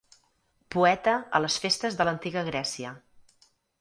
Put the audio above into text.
Poeta a les festes de l'antiga Grècia.